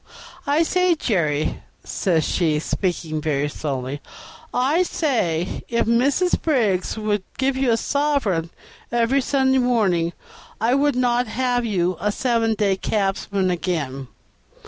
"I say, Jerry," says she, speaking very slowly, "I say, if Mrs. Briggs would give you a sovereign every Sunday morning, I would not have you a seven days' cabman again.